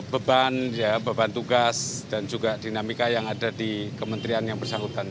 beban tugas dan juga dinamika yang ada di kementerian yang bersahutan